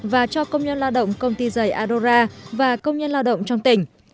và cho công nhân lao động công ty giày adora và công nhân lao động trong tỉnh